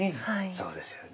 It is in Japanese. そうですよね。